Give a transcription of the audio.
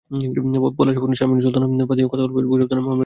পলাশের বোন শারমিন সুলতানা বাদী হয়ে গতকাল বুধবার ভৈরব থানায় মামলাটি করেন।